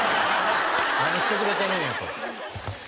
何してくれてるんやと。